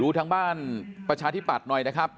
ดูทางบ้านประชาธิปัตย์หน่อยนะครับ